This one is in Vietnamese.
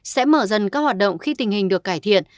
sẽ mở dần các hoạt động khi tình hình được cải thiện